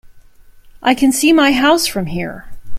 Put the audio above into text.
I can see my house from here!